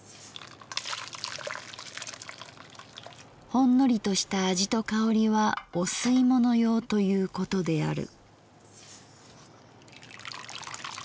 「ほんのりとした味と香はお吸物用ということである」。